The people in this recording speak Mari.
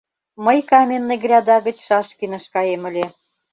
Мый Каменный гряда гыч Шашкиныш каем ыле.